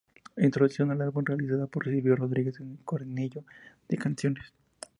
Introducción al álbum realizada por Silvio Rodríguez en el cuadernillo de canciones.